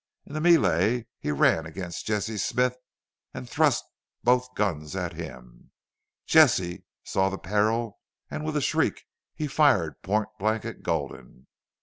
In the melee he ran against Jesse Smith and thrust both guns at him. Jesse saw the peril and with a shriek he fired point blank at Gulden.